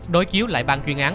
đối chiếu lại ban chuyên án